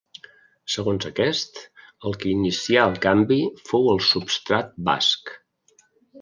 Segons aquest, el que inicià el canvi fou el substrat basc.